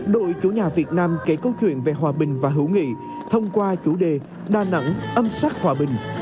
đội chủ nhà việt nam kể câu chuyện về hòa bình và hữu nghị thông qua chủ đề đà nẵng âm sắc hòa bình